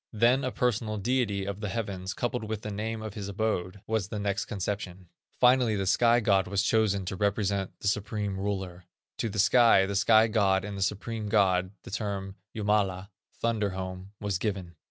Then a personal deity of the heavens, coupled with the name of his abode, was the next conception; finally this sky god was chosen to represent the supreme Ruler. To the sky, the sky god, and the supreme God, the term Jumala (thunder home) was given.